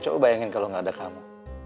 coba bayangin kalau gak ada kamu